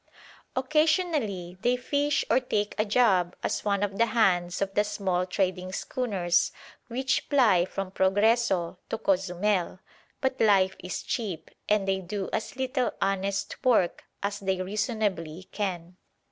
Occasionally they fish or take a job as one of the hands of the small trading schooners which ply from Progreso to Cozumel; but life is cheap, and they do as little honest work as they reasonably can.